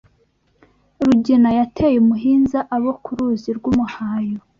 Rugina yateye umuhinza Abo ku ruzi rw’umuhayo